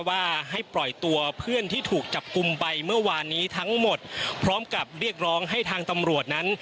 ว่าให้ปล่อยตัวเพื่อนที่ถูกจับกลุ่มไปเมื่อวานนี้ทั้งหมดพร้อมกับเรียกร้องให้ทางตำรวจนั้น